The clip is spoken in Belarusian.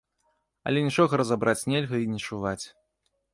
Але нічога разабраць нельга і не чуваць.